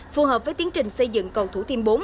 phù hợp với tiến trình xây dựng cầu thủ thiêm bốn